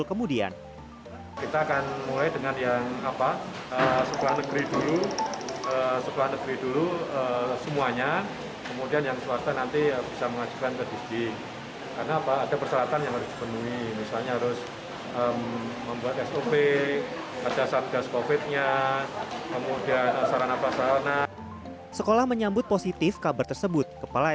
kita menjadi beberapa sif beberapa hari